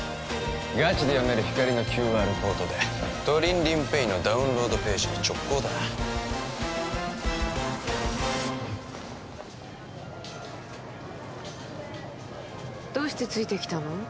ガチで読める光のＱＲコードでトリンリンＰａｙのダウンロードページに直行だどうしてついてきたの？